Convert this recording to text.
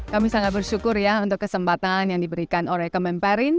kami sangat bersyukur ya untuk kesempatan yang diberikan oleh kemenperin